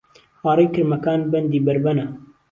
هاڕەی کرمهکان بهندی بەر بهنه